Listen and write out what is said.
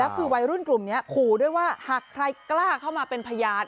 คือวัยรุ่นกลุ่มนี้ขู่ด้วยว่าหากใครกล้าเข้ามาเป็นพยาน